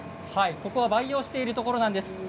ここは培養しているところです。